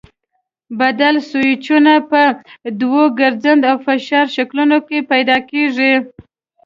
بدل سویچونه په دوو ګرځنده او فشاري شکلونو کې پیدا کېږي.